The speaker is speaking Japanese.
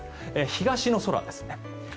東の空ですね。